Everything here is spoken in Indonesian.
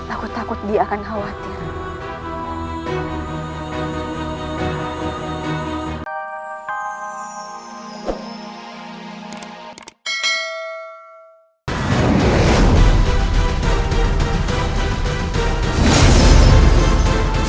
aku takut dia akan khawatir